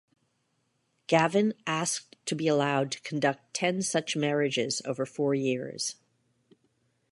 Gavin asked to be allowed to conduct ten such marriages over four years.